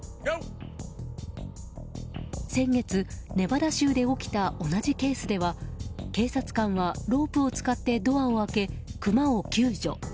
先月、ネバダ州で起きた同じケースでは警察官はロープを使ってドアを開け、クマを救助。